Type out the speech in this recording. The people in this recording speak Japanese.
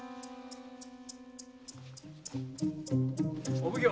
・お奉行。